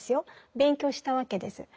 勉強したわけです。